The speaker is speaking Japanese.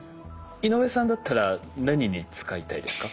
井上さんだったら何に使いたいですか？